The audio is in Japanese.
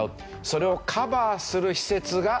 それをカバーする施設があります。